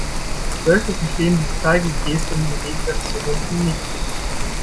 Wölfe verstehen die Zeigegeste im Gegensatz zu Hunden nicht.